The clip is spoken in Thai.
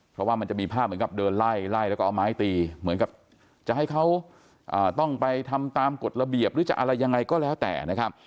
เพราะว่ามันจะมีภาพเหมือนกับเดินไล่ไล่แล้วก็เอาไม้ตีเหมือนกับจะให้เขาต้องไปทำตามกฎระเบียบหรือจะอะไรยังไงก็แล้วแต่นะครับ